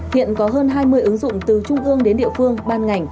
hiện có hơn hai mươi ứng dụng từ trung ương đến địa phương ban ngành